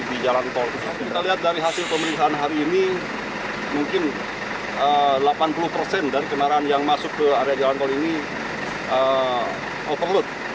kita lihat dari hasil pemeriksaan hari ini mungkin delapan puluh persen dari kendaraan yang masuk ke area jalan tol ini overload